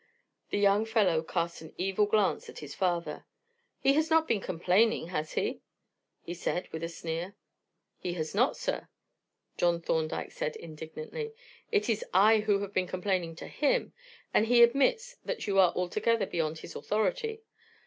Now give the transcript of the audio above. The young fellow cast an evil glance at his father. "He has not been complaining, has he?" he said, with a sneer. "He has not, sir," John Thorndyke said indignantly. "It is I who have been complaining to him, and he admits that you are altogether beyond his authority.